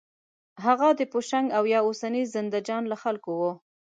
هغه د پوشنګ او یا اوسني زندهجان له خلکو و.